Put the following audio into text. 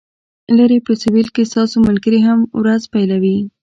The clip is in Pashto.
لرې په سویل کې ستاسو ملګري هم ورځ پیلوي